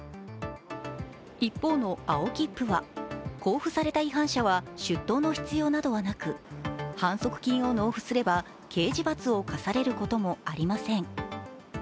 一方の青切符は交付された違反者は出頭の必要などはなく反則金を納付すれば刑事罰を科されることもありません。